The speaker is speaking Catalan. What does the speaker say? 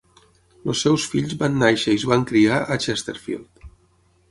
Els seus fills van néixer i es van criar a Chesterfield.